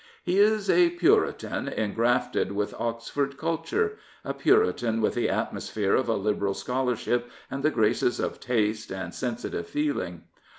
He is a Puritan engrafted with Oxford culture — a Puritan with the atmosphere of a liberal scholar ship and the graces of taste and sensitive feeling.